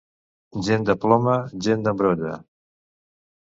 Gent de ploma, gent d'embrolla.